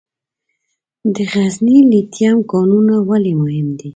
د غزني لیتیم کانونه ولې مهم دي؟